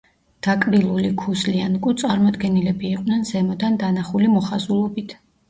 დაკბილული ქუსლი ან კუ წარმოდგენილები იყვნენ ზემოდან დანახული მოხაზულობით.